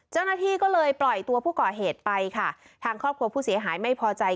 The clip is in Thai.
เจ้าหน้าที่ก็เลยปล่อยตัวผู้ก่อเหตุไปค่ะทางครอบครัวผู้เสียหายไม่พอใจ